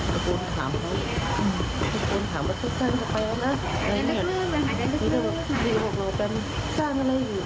แล้วเขาเลยบอกเออเดี๋ยวไปตายให้ดู